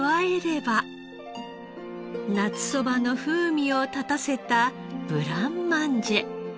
夏そばの風味を立たせたブランマンジェ。